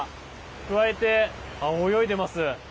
くわえて泳いでいます。